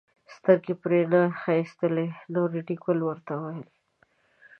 سترګې پرې نه ښایستلې نو ریډي ګل ورته وویل.